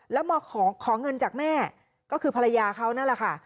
แล้วมาขอเงินจากแม่ก็คือภรรยาเขานั่นแหละค่ะ